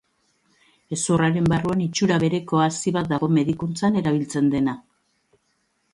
Hezurraren barruan itxura bereko hazi bat dago medikuntzan erabiltzen dena.